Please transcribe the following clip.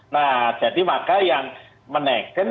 nah jadi maka yang menaikkan